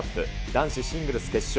男子シングルス決勝。